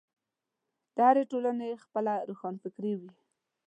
د هرې ټولنې خپله روښانفکري وي.